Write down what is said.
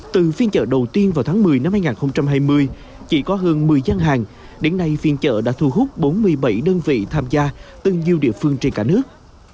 từ phiên chợ đầu tiên vào tháng một mươi năm hai nghìn hai mươi chỉ có hơn một mươi gian hàng đến nay phiên chợ đã thu hút bốn mươi bảy đơn vị tham gia từ nhiều địa phương trên cả nước